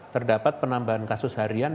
terdapat penambahan kasus harian